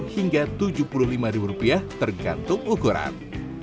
hingga rp tujuh puluh lima tergantung ukuran